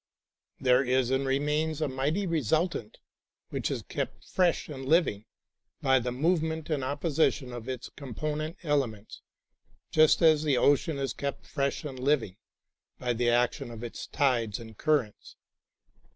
There is and remains a mighty resultant which 11 THE LIVING WORD is kept fresh and living by the movement and opposition of its component elements just as the ocean is kept fresh and living by the action of its tides and currents.